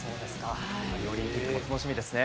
オリンピックが楽しみですね。